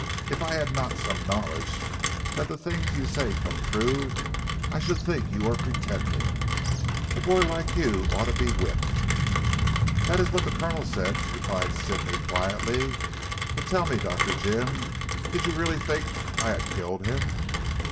If I had not some knowledge that the things you say come true I should think you were pretending. A boy like you ought to be whipped." "That is what the Colonel said," replied Sidney quietly. "But tell me, Dr. Jim, did you really think I had killed him?"